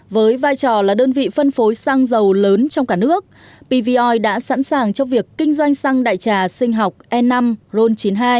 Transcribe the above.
với vai trò là đơn vị phân phối xăng dầu lớn trong cả nước pvoi đã sẵn sàng cho việc kinh doanh xăng đại trà sinh học e năm ron chín mươi hai